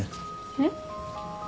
えっ？